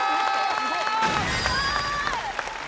すごい！